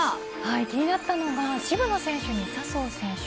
気になったのが渋野選手に笹生選手。